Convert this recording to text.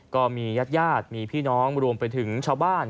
ก็มีญาติญาติมีพี่น้องรวมไปถึงชาวบ้าน